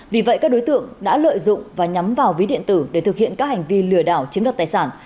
vì vậy các đối tượng đã lợi dụng và nhắm vào ví điện tử để thực hiện các hành vi lừa đảo chiếm đặt tài sản